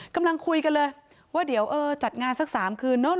กำลังคุยกันเลยว่าเดี๋ยวเออจัดงานสัก๓คืนเนอะ